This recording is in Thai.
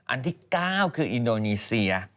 อันที่๙คืออินโดนีเซีย